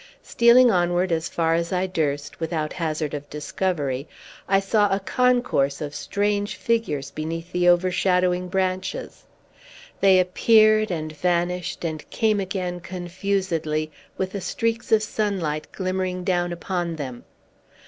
Stealing onward as far as I durst, without hazard of discovery, I saw a concourse of strange figures beneath the overshadowing branches. They appeared, and vanished, and came again, confusedly with the streaks of sunlight glimmering down upon them.